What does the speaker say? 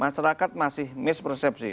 masyarakat masih mispersepsi